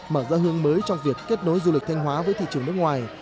mở ra hướng mới trong việc kết nối du lịch thanh hóa với thị trường nước ngoài